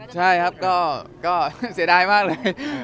ใช่ครับก็เสียดายมากเลย